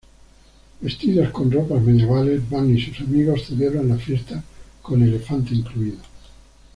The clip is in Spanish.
Vestidos con ropas medievales, Bam y sus amigos celebran la fiesta con elefante incluido.